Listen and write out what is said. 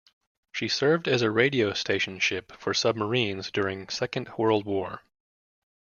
She served as a radio-station ship for submarines during Second World War.